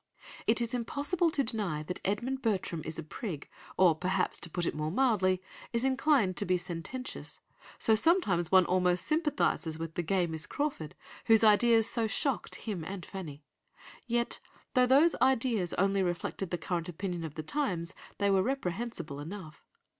It is impossible to deny that Edmund Bertram is a prig, or perhaps, to put it more mildly, is inclined to be sententious, so sometimes one almost sympathises with the gay Miss Crawford, whose ideas so shocked him and Fanny; yet though those ideas only reflected the current opinion of the times, they were reprehensible enough.